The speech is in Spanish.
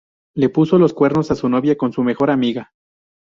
Le puso los cuernos a su novia con su mejor amiga